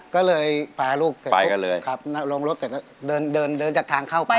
ก็เลยพาลูกไปกันเลยลงรถเสร็จแล้วเดินจากทางเข้าไป